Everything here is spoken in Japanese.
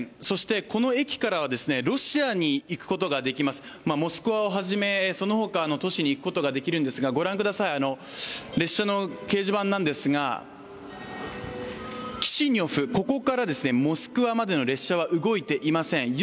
そしてこの駅からはロシアに行くことができます、モスクワをはじめそのほかの都市に行くことができるんですが、列車の掲示板なんですが、キシニョフ、ここからモスクワまでの列車は動いていません。